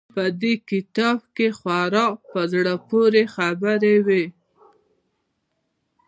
په دې کتاب کښې خورا په زړه پورې خبرې وې.